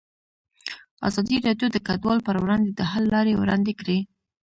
ازادي راډیو د کډوال پر وړاندې د حل لارې وړاندې کړي.